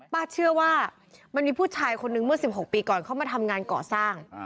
ป้าเชื่อว่ามีผู้ชายคนหนึ่งเมื่อ๑๖ปีก็มาทำงานก่อสร้าง